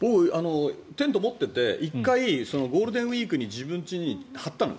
テント持ってて１回、ゴールデンウィークに自分の家に張ったの。